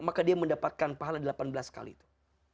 maka dia mendapatkan pahala delapan belas kali itu